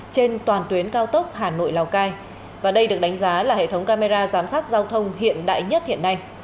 trên toàn tuyến cao tốc hà nội lào cai và đây được đánh giá là hệ thống camera giám sát giao thông hiện đại nhất hiện nay